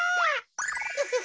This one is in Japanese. ウフフ。